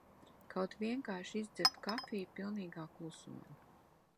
Kaut vienkārši izdzert kafiju pilnīgā klusumā.